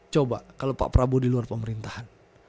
coba kalau pak prabowo di luar pemerintahan